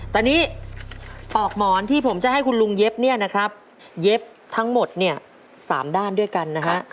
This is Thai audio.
ตอนนี้ปอกหมอนที่ผมจะให้คุณลุงเย็บเนี่ยนะครับเย็บทั้งหมดเนี่ย๓ด้านด้วยกันนะฮะ